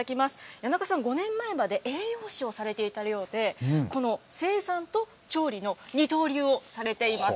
谷中さん、５年前まで栄養士をされていたそうで、この生産と調理の二刀流をされています。